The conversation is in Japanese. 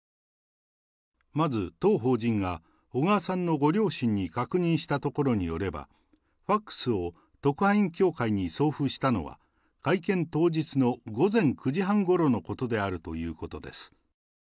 まず当法人が、小川さんのご両親に確認したところによれば、ファックスを特派員協会に送付したのは、会見当日の午前９時半ごろのことであるということです。